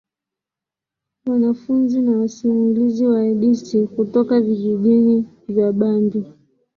Wanafunzi na wasimulizi wa hadithi kutoka vijijini vya Bambi.